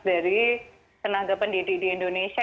dari tenaga pendidik di indonesia